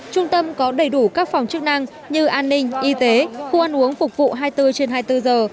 trung tâm có đầy đủ các phòng chức năng như an ninh y tế khu ăn uống phục vụ hai mươi bốn trên hai mươi bốn giờ